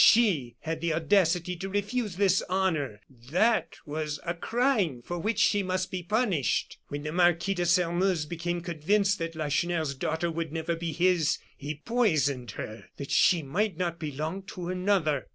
She had the audacity to refuse this honor; that was a crime for which she must be punished. When the Marquis de Sairmeuse became convinced that Lacheneur's daughter would never be his, he poisoned her that she might not belong to another."